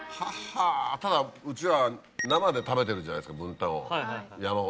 ただうちは生で食べてるじゃないですか文旦を。